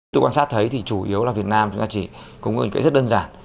tôi quan sát thấy thì chủ yếu là việt nam chúng ta chỉ có một cái rất đơn giản